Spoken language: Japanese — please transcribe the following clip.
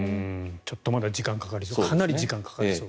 ちょっとまだ時間がかかりそうかなり時間がかかりそう。